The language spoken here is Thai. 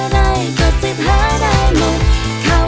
พี่เองพี่แทนเอง